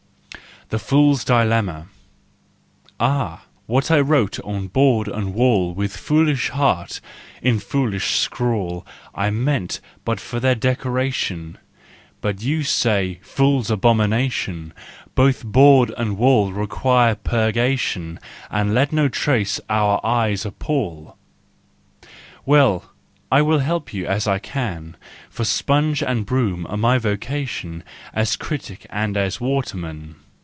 APPENDIX 365 THE FOOL'S DILEMMA. Ah, what I wrote on board and wall With foolish heart, in foolish scrawl, I meant but for their decoration ! Yet say you, " Fools' abomination ! Both board and wall require purgation, And let no trace our eyes appal!" Well, I will help you, as I can, For sponge and broom are my vocation, As critic and as waterman.